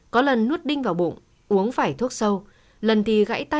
có lần nuốt đinh vào bụng uống phải thuốc sâu